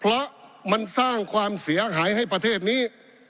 เพราะมันสร้างความเสียหายให้ประเทศนี้